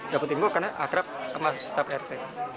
dapet timbuk karena akrab sama staf rt